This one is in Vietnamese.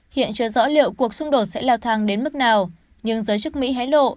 hiện chưa rõ liệu cuộc xung đột sẽ leo thang đến mức nào nhưng giới chức mỹ hé lộ